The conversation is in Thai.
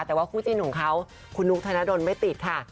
แต่ว่าคู่จิ้นของเขาคุณนุ๊กธนดลไม่ติดค่ะ